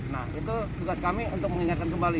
nah itu tugas kami untuk mengingatkan kembali